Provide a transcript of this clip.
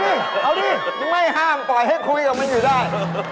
เอาดิไม่ห้ามปล่อยให้คุยกับมันอยู่ได้